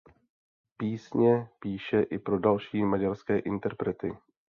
Písně píše i pro další maďarské interprety.